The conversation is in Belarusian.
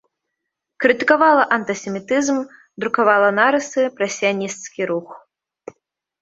Крытыкавала антысемітызм, друкавала нарысы пра сіянісцкі рух.